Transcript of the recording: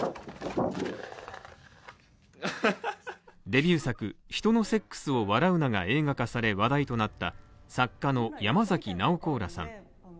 デビュー作「人のセックスを笑うな」が映画化され話題となった作家の山崎ナオコーラさん。